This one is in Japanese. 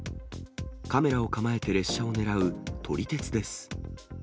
カメラを構えて列車を狙う撮り鉄です。